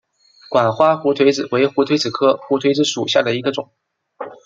管花胡颓子为胡颓子科胡颓子属下的一个种。